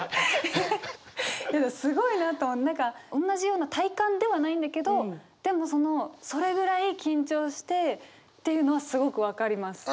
すごいなと何か同じような体感ではないんだけどでもそのそれぐらい緊張してっていうのはすごく分かります。